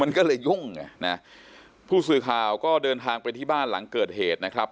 มันก็เลยยุ่งไงนะผู้สื่อข่าวก็เดินทางไปที่บ้านหลังเกิดเหตุนะครับ